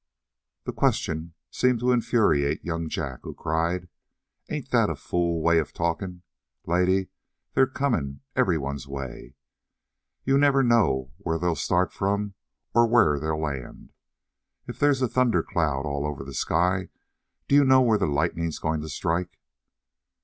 The question seemed to infuriate young Jack, who cried: "Ain't that a fool way of talkin'? Lady, they're coming everyone's way. You never know where they'll start from or where they'll land. If there's a thunder cloud all over the sky, do you know where the lightning's going to strike?"